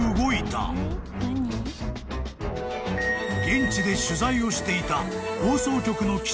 ［現地で取材をしていた放送局の］